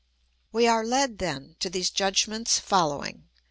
We are led, then, to these judgments following.